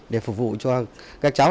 để phục vụ cho các cháu